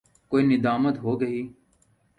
کوئی ندامت ہو گی؟